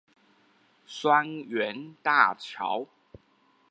雙園大橋